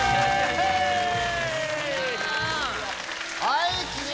はい！